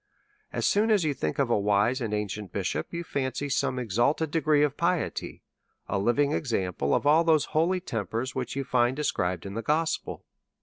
As soon as yon think of a wise and ancient bishop, you fancy some exalted degree of piety, a living example of all those holy tempers which you find described in the gospel.